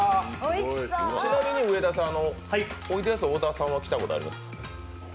ちなみに上田さん、おいでやす小田さんは来たことありますか？